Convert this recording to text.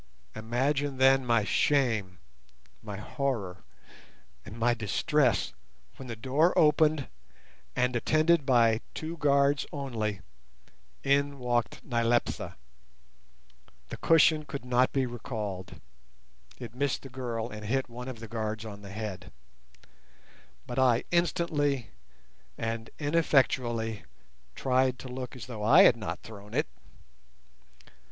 Imagine then my shame—my horror, and my distress—when the door opened, and, attended by two guards only, in walked Nyleptha. The cushion could not be recalled (it missed the girl and hit one of the guards on the head), but I instantly and ineffectually tried to look as though I had not thrown it.